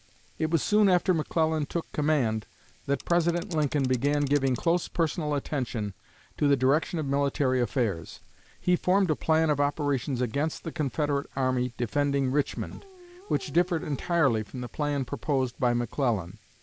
It was soon after McClellan took command that President Lincoln began giving close personal attention to the direction of military affairs. He formed a plan of operations against the Confederate army defending Richmond, which differed entirely from the plan proposed by McClellan.